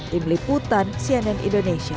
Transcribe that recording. tim liputan cnn indonesia